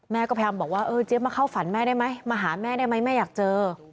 แม่ก็พยายามบอกว่าเออเจี๊ยบมาเข้าฝันแม่ได้ไหมมาหาแม่ได้ไหมแม่อยากเจอ